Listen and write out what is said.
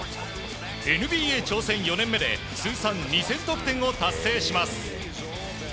ＮＢＡ挑戦４年目で通算２０００得点を達成します。